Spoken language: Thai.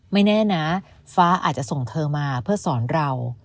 ไม่แน่นะฟ้าอาจจะส่งเธอมาเพื่อสอนเรา